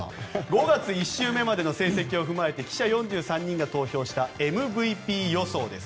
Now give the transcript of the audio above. ５月１週目までの成績を踏まえて記者４３人が投票したＭＶＰ予想です。